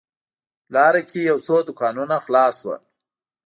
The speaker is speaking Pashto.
لاره کې یو څو دوکانونه خلاص و.